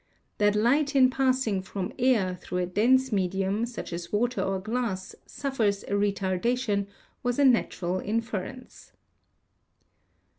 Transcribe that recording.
That light in passing from air through a dense medium, such as water or glass, suffers a retardation, was a natural inference.